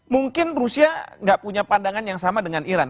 mungkin rusia nggak punya pandangan yang sama dengan iran